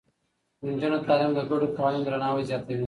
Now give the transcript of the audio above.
د نجونو تعليم د ګډو قوانينو درناوی زياتوي.